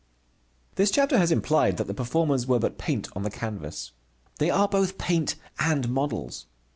This chapter has implied that the performers were but paint on the canvas. They are both paint and models.